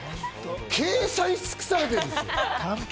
計算し尽くされてるんですよ。